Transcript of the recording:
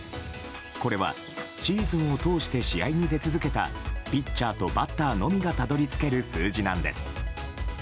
これは、シーズンを通して試合に出続けたピッチャーとバッターのみがたどり着ける数字なんです。